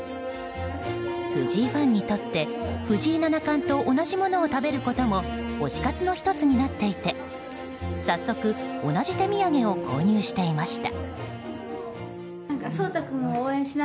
藤井ファンにとって藤井七冠と同じものを食べることも推し活の１つになっていて早速、同じ手土産を購入していました。